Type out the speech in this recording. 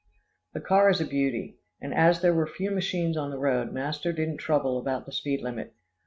The car is a beauty, and as there were few machines on the road, master didn't trouble about the speed limit.